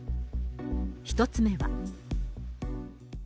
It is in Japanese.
１つ目は。